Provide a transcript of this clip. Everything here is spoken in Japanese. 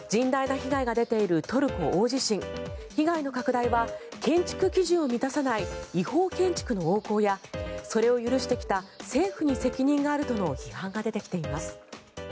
被害の拡大は建築基準を満たさない違法建築の横行やそれを許してきた政府に責任があるとの批判が出てきています。